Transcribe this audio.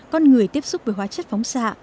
con người tiếp xúc với hóa chất phóng xạ